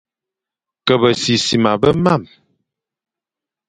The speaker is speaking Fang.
Ke besisima be marne,